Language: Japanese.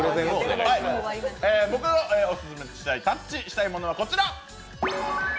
僕がオススメしたいタッチしたいものは、こちら。